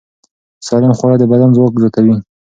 سالم خواړه د بدن ځواک زیاتوي.